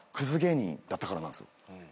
だったからなんですよ。